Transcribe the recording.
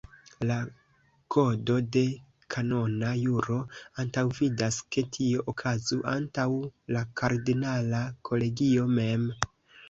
La kodo de kanona juro antaŭvidas ke tio okazu antaŭ la kardinala kolegio mem.